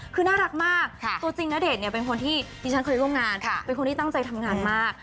คือน่ารักมากตัวจริงณเดชน์เนี่ยเป็นคนที่ดิฉันเคยร่วมงานเป็นคนที่ตั้งใจทำงานมาก